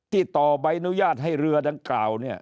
ที่ต่อใบอนุญาตให้เรือดังกล่าว